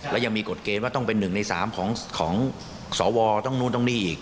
และยังมีกฎเกณฑ์ว่าต้องเป็น๑ใน๓ของสวต้องนู่นต้องนี่อีก